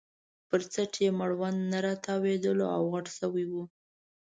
پر څټ یې مړوند نه راتاوېدلو او غټ شوی وو.